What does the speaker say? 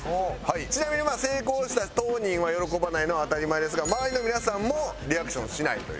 ちなみに成功した当人は喜ばないのは当たり前ですが周りの皆さんもリアクションしないという。